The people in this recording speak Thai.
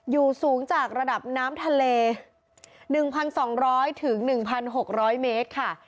อยู่สูงจากระดับน้ำทะเล๑๒๐๐๑๖๐๐เมตรค่ะ